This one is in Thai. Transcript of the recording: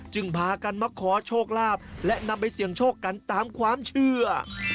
พากันมาขอโชคลาภและนำไปเสี่ยงโชคกันตามความเชื่อ